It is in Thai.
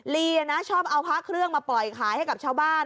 ลีนะชอบเอาพระเครื่องมาปล่อยขายให้กับชาวบ้าน